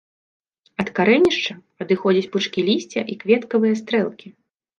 Ад карэнішча адыходзяць пучкі лісця і кветкавыя стрэлкі.